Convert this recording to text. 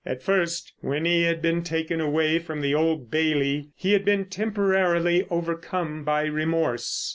At first, when he had been taken away from the Old Bailey, he had been temporarily overcome by remorse.